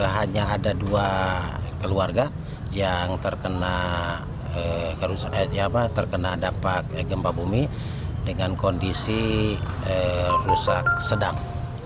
hanya ada dua keluarga yang terkena dampak gempa bumi dengan kondisi rusak sedang